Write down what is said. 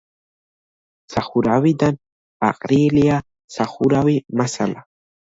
სახურავიდან აყრილია სახურავი მასალა.